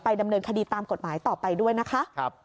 ดำเนินคดีตามกฎหมายต่อไปด้วยนะคะ